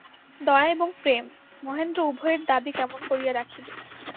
দয়া এবং প্রেম, মহেন্দ্র উভয়ের দাবি কেমন করিয়া রাখিবে।